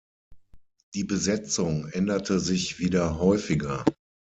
Die Besetzung änderte sich wieder häufiger.